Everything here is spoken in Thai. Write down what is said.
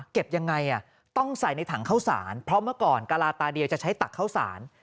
ยังไงต้องใส่ในถังเข้าสารเพราะเมื่อก่อนกะลาตาเดียวจะใช้ตักข้าวสาร